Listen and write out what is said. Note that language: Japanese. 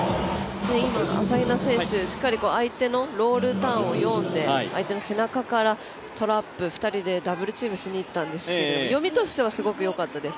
朝比奈選手、しっかり相手のロールターンを読んで相手の背中からトラップ、２人でダブルチームしにいったんですけど読みとしてはすごく良かったです。